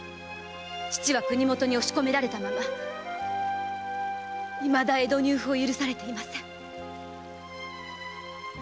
父は国もとに押し込められたままいまだ江戸入府を許されていません！